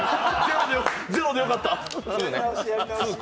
ゼロでよかった。